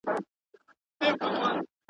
ماما خېل یې په ځنګله کي یابوګان وه!